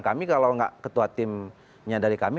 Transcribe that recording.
kami kalau nggak ketua timnya dari kami